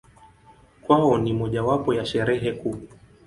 Kwao ni mojawapo ya Sherehe kuu.